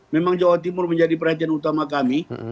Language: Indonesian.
memang jawa timur menjadi perhatian utama kami